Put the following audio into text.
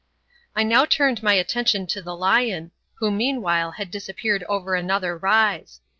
I now turned my attention to the lion, who meanwhile had disappeared over another rise.